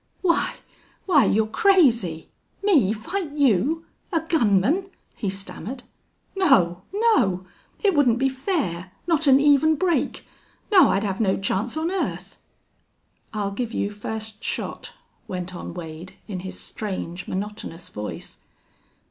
"Why why you're crazy! Me fight you a gunman," he stammered. "No no. It wouldn't be fair. Not an even break!... No, I'd have no chance on earth!" "I'll give you first shot," went on Wade, in his strange, monotonous voice.